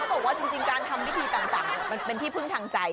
บอกว่าจริงการทำพิธีต่างมันเป็นที่พึ่งทางใจ